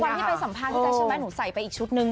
วันที่ไปสัมภาษณ์พี่แจ๊คใช่ไหมหนูใส่ไปอีกชุดนึง